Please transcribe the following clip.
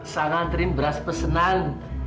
saya nganterin beras pesenan